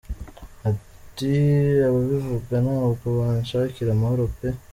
Ati: “Ababivuga ntabwo banshakira amahoro pe.